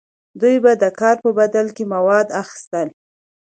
دوی به د کار په بدل کې مواد اخیستل.